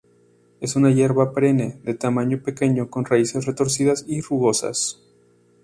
Es una hierba perenne de tamaño pequeño, con raíces retorcidas y rugosas.